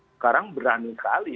sekarang berani sekali